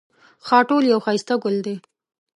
خاټول یو ښایسته ګل دی